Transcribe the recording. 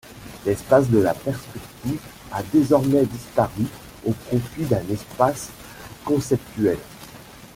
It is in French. L’espace de la perspective a désormais disparu au profit d’un espace conceptuel.